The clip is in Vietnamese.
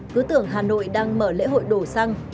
cứ tưởng hà nội đang mở lễ hội đổ xăng